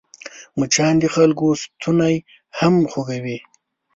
مچان د خلکو ستونی هم خوږوي